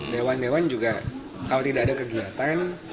dewan dewan juga kalau tidak ada kegiatan